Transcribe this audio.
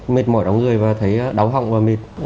mệt mỏi đóng người và thấy đau họng và mệt